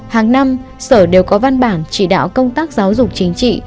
hàng năm sở đều có văn bản chỉ đạo công tác giáo dục chính trị